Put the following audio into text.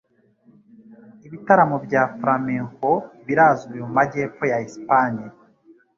Ibitaramo bya Flamenco birazwi mu majyepfo ya Espanye.